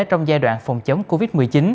trong giai đoạn phòng chống covid một mươi chín